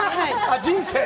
人生？